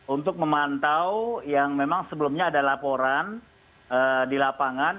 untuk memantau yang memang sebelumnya ada laporan di lapangan